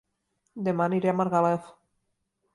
Dema aniré a Margalef